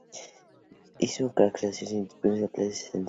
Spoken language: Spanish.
Bahá’u’lláh hizo aclaraciones y dispuso ampliaciones esenciales.